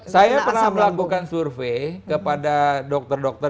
saya pernah melakukan survei kepada dokter dokter